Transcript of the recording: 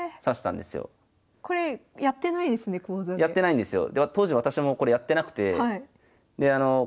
やってないんですよ。